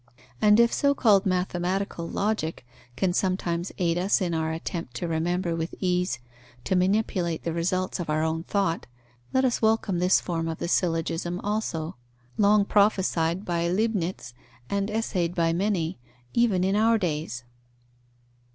And if so called mathematical Logic can sometimes aid us in our attempt to remember with ease, to manipulate the results of our own thought, let us welcome this form of the syllogism also, long prophesied by Leibnitz and essayed by many, even in our days.